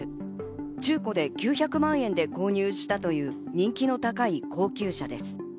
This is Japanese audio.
中古で９００万円で購入したという人気の高い高級車です。